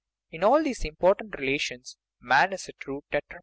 In all these important rela tions man is a true tetrapod.